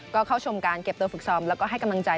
ก็เข้าชมการเก็บตัวฝึกซ้อมแล้วก็ให้กำลังใจ